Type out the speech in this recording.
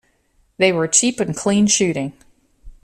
They were cheap and clean shooting.